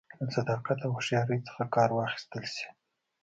له صداقت او هوښیارۍ څخه کار واخیستل شي